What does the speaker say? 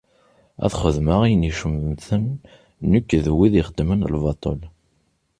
Ad xedmeɣ ayen icemten nekk d wid ixeddmen lbaṭel.